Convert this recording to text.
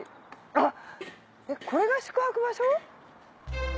あっこれが宿泊場所？